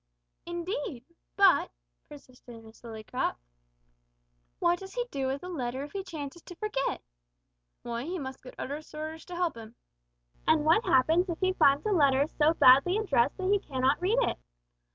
"Indeed! but," persisted Miss Lillycrop, "what does he do with a letter if he chances to forget?" "Why, he must get other sorters to help him." "And what happens if he finds a letter so badly addressed that he cannot read it?"